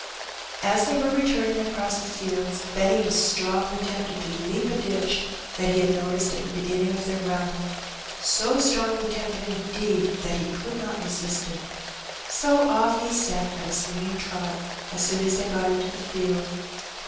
As they were returning across the fields Benny was stroDgly tempted to leap a ditch that he had noticed at the beginning of their ramble — so strongly tempted indeed that he could not resist it. So off he set at a swinging trot as soon as they got into the field.